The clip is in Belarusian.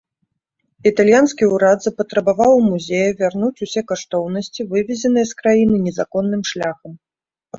Італьянскі ўрад запатрабаваў у музея вярнуць усе каштоўнасці, вывезеныя з краіны незаконным шляхам.